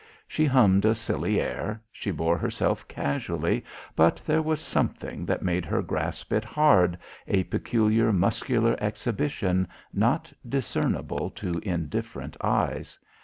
She hummed a silly air, she bore herself casually, but there was something that made her grasp it hard, a peculiar muscular exhibition, not discernible to indifferent eyes.